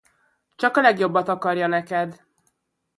Csak a legjobbat akarja neked.